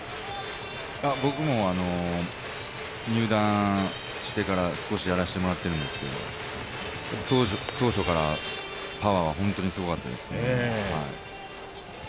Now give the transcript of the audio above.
僕も入団してから少しやらせてもらってるんですけど当初からパワーは本当にすごかったですね。